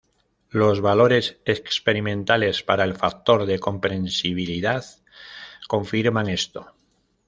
Los valores experimentales para el factor de compresibilidad confirman esto.